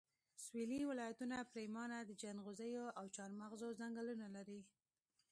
سويلي ولایتونه پرېمانه د جنغوزیو او چارمغزو ځنګلونه لري